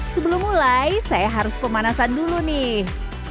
sebelum mulai saya harus pemanasan dulu nih